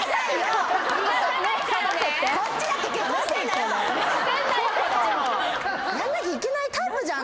こっちも。やんなきゃいけないタイプじゃん。